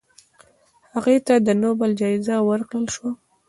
هغې ته د نوبل جایزه ورکړل شوه.